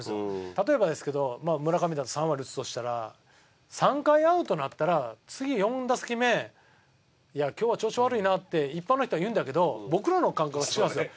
例えばですけどまあ村上だと３割打つとしたら３回アウトになったら次４打席目いや今日は調子悪いなって一般の人は言うんだけど僕らの感覚は違うんですよ。